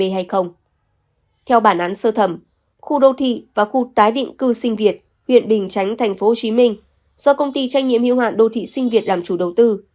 theo bản án sơ thẩm khu đô thị và khu tái định cư sinh việt do công ty trách nhiệm hữu hạn đô thị sinh việt làm chủ đầu tư